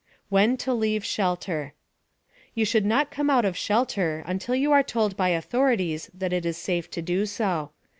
WHEN TO LEAVE SHELTER You should not come out of shelter until you are told by authorities that it is safe to do so.